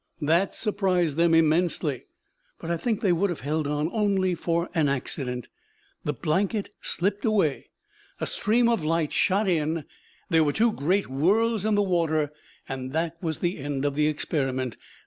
That surprised them immensely; but I think they would have held on only for an accident. The blanket slipped away; a stream of light shot in; there were two great whirls in the water; and that was the end of the experiment.